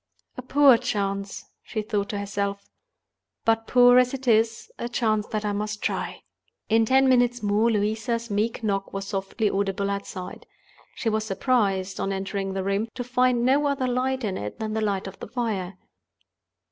"A poor chance," she thought to herself; "but, poor as it is, a chance that I must try." In ten minutes more, Louisa's meek knock was softly audible outside. She was surprised, on entering the room, to find no other light in it than the light of the fire.